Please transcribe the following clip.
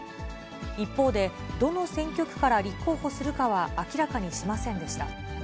一方で、どの選挙区から立候補するかは明らかにしませんでした。